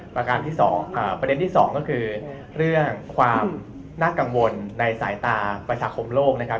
ประการที่๒ประเด็นที่๒ก็คือเรื่องความน่ากังวลในสายตาประชาคมโลกนะครับ